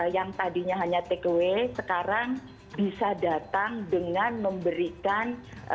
yang tadinya hanya takeaway sekarang bisa datang dengan memberikan